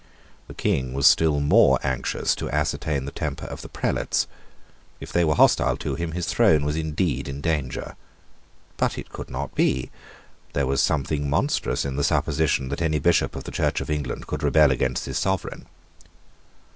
The King was still more anxious to ascertain the temper of the Prelates. If they were hostile to him, his throne was indeed in danger. But it could not be. There was something monstrous in the supposition that any Bishop of the Church of England could rebel against his Sovereign.